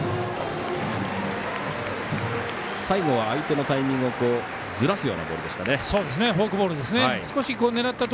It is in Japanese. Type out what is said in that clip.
最後は相手のタイミングをずらすようなボールでした。